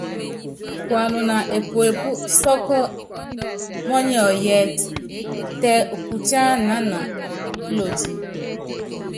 Kuanuna epuepú sɔ́kɔ́ mɔniɔyítɛ, tɛ ukutiánan púloti.